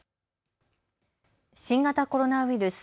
新型コロナウイルス。